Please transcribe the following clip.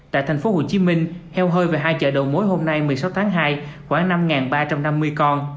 tại tp hcm heo hơi và hai chợ đầu mối hôm nay một mươi sáu tháng hai khoảng năm ba trăm năm mươi con